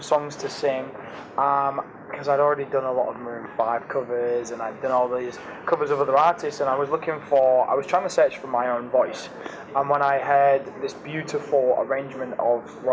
saya sedang mencari suara sendiri dan ketika saya mendengar perangkat robin dancing on my own saya sudah menyukai lagu asli jadi saya menyanyikan dari ingatan saya